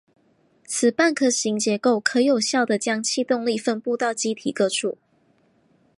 此半壳型结构可有效的将气动力分布到机体各处。